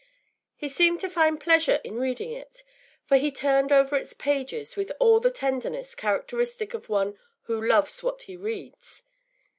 He seemed to find pleasure in reading it, for he turned over its pages with all the tenderness characteristic of one who loves what he reads.